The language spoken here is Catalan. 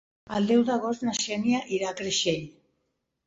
El deu d'agost na Xènia irà a Creixell.